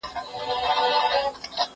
کېدای سي چپنه ګنده وي؟!